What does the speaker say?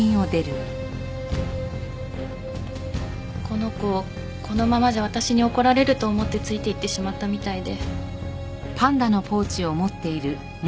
この子このままじゃ私に怒られると思ってついていってしまったみたいで。